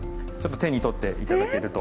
手に取っていただけると。